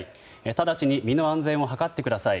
直ちに身の安全を図ってください。